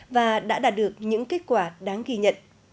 và đã đạt được những kết quả đáng ghi nhận